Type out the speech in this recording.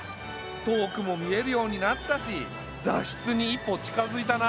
遠くも見えるようになったし脱出に一歩近づいたな。